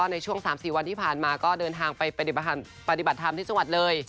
ในช่วง๓๔วันที่ผ่านมาก็เดินทางไปปฏิบัติธรรมที่จังหวัดเลย